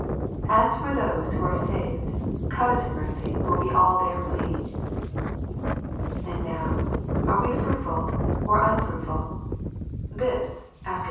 As for those who are saved, covenant mercy will be all their plea. And now are we fruitful or unfruitful ? This, after LUKE, CHAP. XIII.